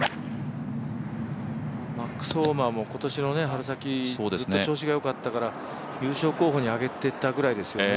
マックス・ホマも春先、ずっと調子がよかったから優勝候補にあげていたぐらいですよね。